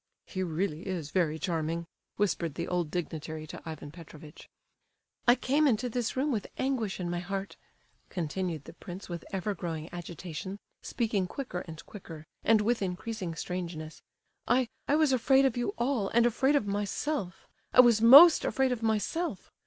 "He really is very charming," whispered the old dignitary to Ivan Petrovitch. "I came into this room with anguish in my heart," continued the prince, with ever growing agitation, speaking quicker and quicker, and with increasing strangeness. "I—I was afraid of you all, and afraid of myself. I was most afraid of myself.